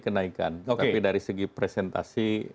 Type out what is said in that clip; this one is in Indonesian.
kenaikan tapi dari segi presentasi